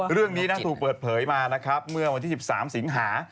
เรื่องนี้นั้นถูกเปิดเผยมานะครับเมื่อวันที่๑๓สิงหา